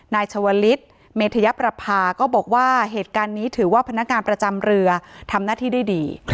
นายชวลิศเมธยประพาก็บอกว่าเหตุการณ์นี้ถือว่าพนักงานประจำเรือทำหน้าที่ได้ดี